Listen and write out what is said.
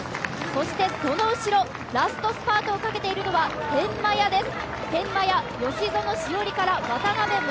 その後ろ、ラストスパートをかけているのは天満屋です。